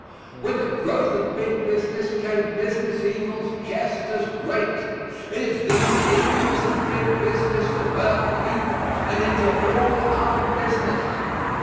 With the growth of big business came business evils just as great. It is these evils of big business that hurt the people and injure all other business.